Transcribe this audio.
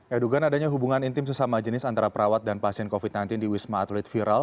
edugan adanya hubungan intim sesama jenis antara perawat dan pasien covid sembilan belas di wisma atlet viral